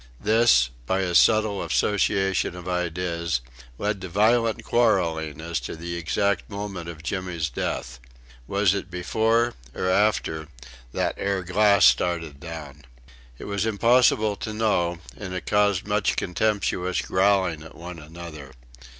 This, by a subtle association of ideas, led to violent quarrelling as to the exact moment of Jimmy's death. Was it before or after "that 'ere glass started down?" It was impossible to know, and it caused much contemptuous growling at one another.